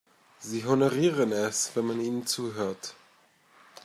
Sie honorieren es, wenn man ihnen zuhört.